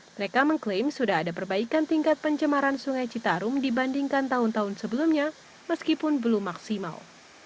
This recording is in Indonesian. mereka mengklaim sudah ada perbaikan tingkat pencemaran sungai citarum dibandingkan tahun tahun sebelumnya meskipun belum maksimal